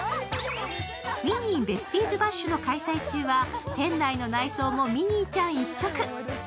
「ミニー・ベスティーズ・バッシュ！」の開催中は店内の内装もミニーちゃん一色。